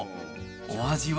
お味は？